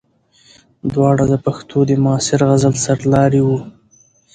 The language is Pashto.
دواړه د پښتو د معاصر غزل سرلاري وو.